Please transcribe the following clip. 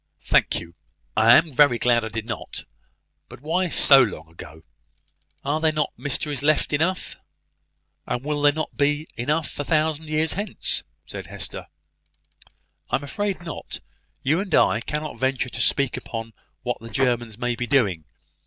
"Thank you: I am very glad I did not. But why so long ago? Are there not mysteries enough left?" "And will there not be enough a thousand years hence?" said Hester. "I am afraid not. You and I cannot venture to speak upon what the Germans may be doing.